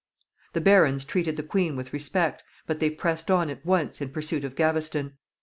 The barons treated the queen with respect, but they pressed on at once in pursuit of Gaveston.